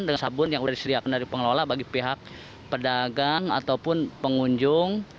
dengan sabun yang sudah disediakan dari pengelola bagi pihak pedagang ataupun pengunjung